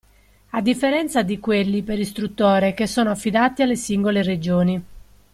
A differenza di quelli per istruttore che sono affidati alle singole regioni.